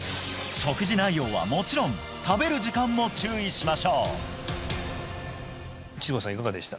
食事内容はもちろん食べる時間も注意しましょう蚓せ劼気いかがでした？